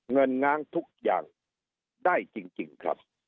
เงินน้ำทุกอย่างได้จริงครับ